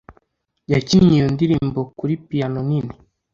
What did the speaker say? Yakinnye iyo ndirimbo kuri piyano nini.